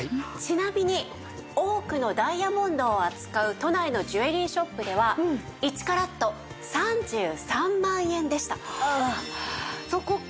ちなみに多くのダイヤモンドを扱う都内のジュエリーショップでは１カラット３３万円でした。